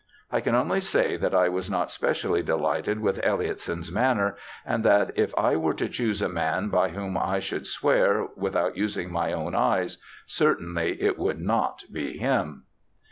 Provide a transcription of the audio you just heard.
I can only say that I was not specially delighted with Elliotson's manner, and that it I was to choose a man by whom I should swear, without using my own eyes, certainly it would not be him.'